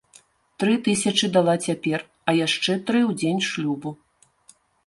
Тры тысячы дала цяпер, а яшчэ тры ў дзень шлюбу.